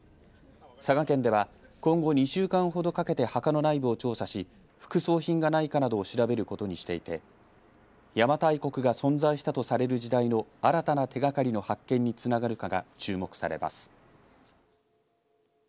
佐賀県では今後２週間ほどかけて墓の内部を調査し副葬品がないかなどを調べることにしていて邪馬台国が存在したとされる時代の新たな手がかりの発見につながるかが注目されます。